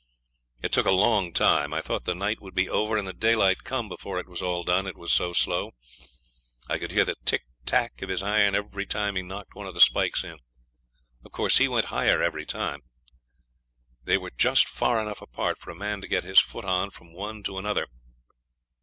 It took a long time. I thought the night would be over and the daylight come before it was all done; it was so slow. I could hear the tick tack of his iron every time he knocked one of the spikes in. Of course he went higher every time. They were just far enough apart for a man to get his foot on from one to another.